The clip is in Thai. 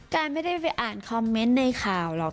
การไม่ได้ไปอ่านคอมเมนต์ในข่าวหรอก